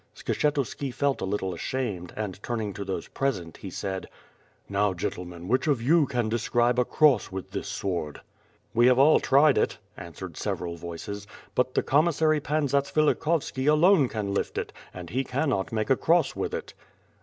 Skshetuski felt a little ashamed, and turning to those present, he said: "Now, gentlemen, which of you can describe a cross with this sword?" WITH FIRE AND SWORD. 27 We have all tried it," answered several voices, '%\xt the commissary Pan Zatsvilikoyski alone can lift it, and he cannot make a cross with it."